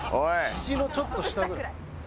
ひじのちょっと下ぐらい？